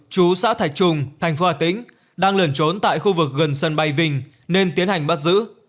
chú xã thạch trung thành phố hà tĩnh đang lẩn trốn tại khu vực gần sân bay vinh nên tiến hành bắt giữ